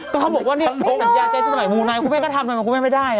ก็เขาบอกว่านี่เป็นสัญญาใจสมัยภูมินายคุณแม่ก็ทำกันคุณแม่ไม่ได้